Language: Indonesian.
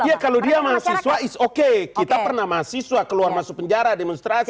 iya kalau dia mahasiswa is okay kita pernah mahasiswa keluar masuk penjara demonstrasi